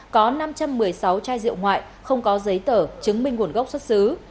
có năm trăm một mươi sáu chai rượu ngoại không có giấy tờ chứng minh nguồn gốc xuất xứ